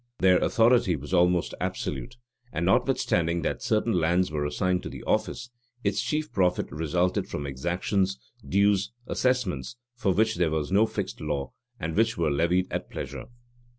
Their authority was almost absolute; and, notwithstanding that certain lands were assigned to the office, its chief profit resulted from exactions, dues, assessments, for which there was no fixed law, and which were levied at pleasure.